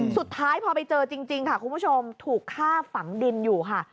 สุดท้ายพอไปเจอจริงค่ะคุณผู้ชมถูกฆ่าฝังดินอยู่ค่ะ